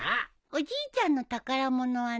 おじいちゃんの宝物は何？